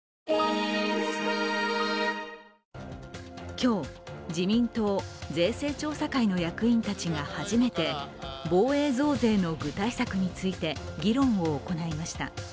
今日、自民党・税制調査会の役員たちが初めて防衛増税の具体策について議論を行いました。